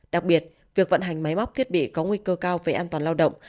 đặc biệt việc vận hành máy móc thiết bị có nguy cơ cao về an toàn lao động